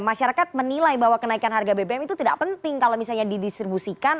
masyarakat menilai bahwa kenaikan harga bbm itu tidak penting kalau misalnya didistribusikan